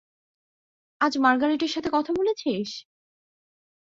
আজ মার্গারেটের সাথে কথা বলেছিস?